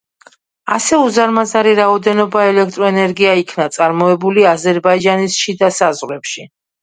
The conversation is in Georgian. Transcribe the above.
ასე უზარმაზარი რაოდენობა ელექტროენერგია იქნა წარმოებული აზერბაიჯანის შიდა საზღვრებში.